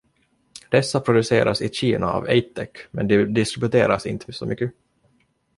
Dessa produceras i Kina av Eittek, men distribueras inte så mycket.